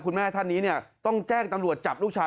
คุณแม่ท่านนี้เนี่ยต้องแจ้งตำรวจจับลูกชาย